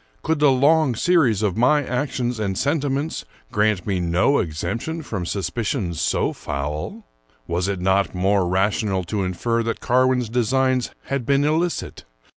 Could the long series of my actions and sentiments grant me no exemption from suspicions so foul? Was it not more ra tional to infer that Carwin's designs had been illicit?